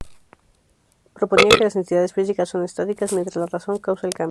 Proponía que las entidades físicas son estáticas, mientras la razón causa el cambio.